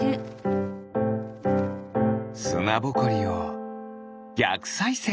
すなぼこりをぎゃくさいせい！